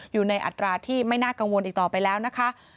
อยู่ในอัตราที่ไม่น่ากังวลอีกต่อไปแล้วนะคะ